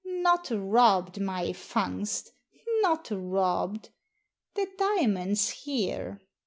"Not robbed, my Fungst — not robbed. The diamond's here."